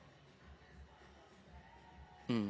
うん。